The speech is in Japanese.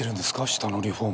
下のリフォーム？